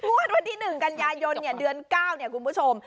วันวันที่๑กันยายนเดือน๙คุณผู้ชม